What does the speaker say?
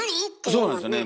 そうなんですよね。